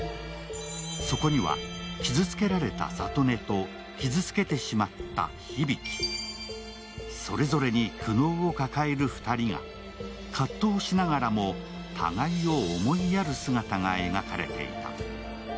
そこには、傷つけられた郷音と傷つけてしまった響、それぞれに苦悩を抱える２人が、葛藤しながらも互いを思いやる姿が描かれていた。